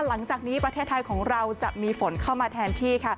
หลังจากนี้ประเทศไทยของเราจะมีฝนเข้ามาแทนที่ค่ะ